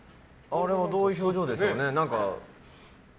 あれはどういう表情でしょうね。